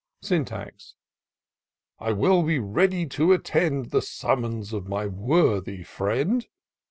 Syntax. " I will be ready to attend The summons of my worthy friend.